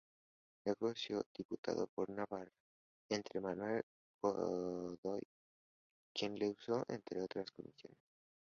Negoció diputado por Navarra ante Manuel Godoy, quien le usó en otras comisiones.